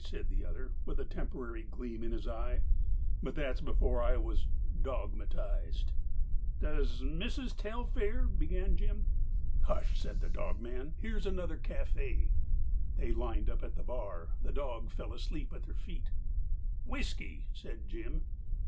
said the other, with a temporary gleam in his eye. "But that was before I was dogmatized." "Does Misses Telfair—" began Jim. "Hush!" said the dogman. "Here's another café." They lined up at the bar. The dog fell asleep at their feet. "Whiskey," said Jim.